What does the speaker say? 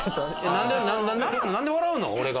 何で笑うの？